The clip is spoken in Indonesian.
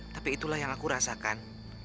tapi itulah yang aku rasakan